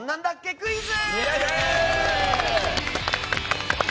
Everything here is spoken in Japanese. クイズ。